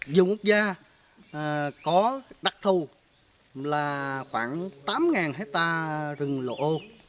dùng quốc gia có đặc thù là khoảng tám hectare rừng lộ ô